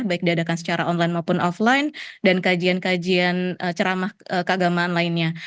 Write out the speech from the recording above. baik diadakan secara online maupun offline dan kajian kajian ceramah keagamaan lainnya